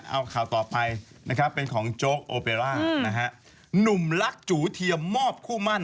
เอาข่าวต่อไปนะครับเป็นของโจ๊กโอเบร่านะฮะหนุ่มรักจูเทียมมอบคู่มั่น